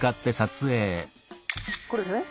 これですね？